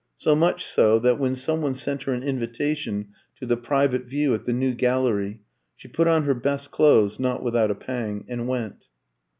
So much so that, when some one sent her an invitation to the private view at the New Gallery, she put on her best clothes (not without a pang) and went.